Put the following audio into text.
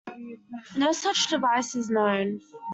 No such device is known.